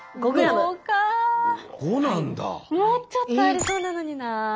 もうちょっとありそうなのにな。